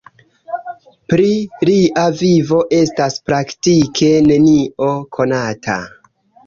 Pri lia vivo estas praktike nenio konata.